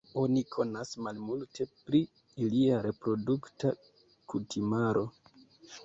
Oni konas malmulte pri ilia reprodukta kutimaro.